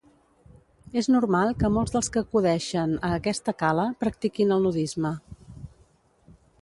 És normal que molts dels que acudeixen a aquesta cala practiquin el nudisme.